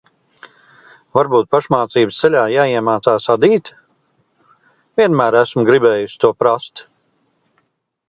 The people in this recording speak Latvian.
Varbūt pašmācības ceļā jāiemācās adīt? Vienmēr esmu gribējusi to prast.